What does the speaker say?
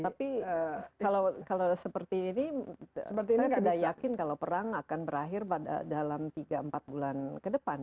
tapi kalau seperti ini saya tidak yakin kalau perang akan berakhir dalam tiga empat bulan ke depan